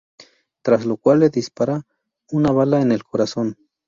Tras lo cual le dispara una bala en el corazón.